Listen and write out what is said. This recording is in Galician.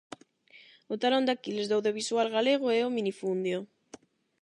O talón de aquiles do audiovisual galego é o minifundio.